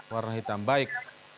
warna hitam baik